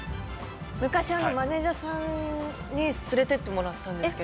昔マネジャーさんに連れていってもらったんです。